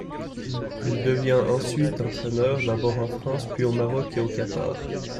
Il devient ensuite entraîneur, d'abord en France puis au Maroc et au Qatar.